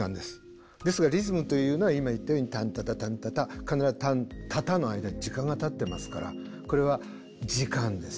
ですがリズムというのは今言ったように「タンタタタンタタ」必ず「タンタタ」の間に時間がたってますからこれは時間です。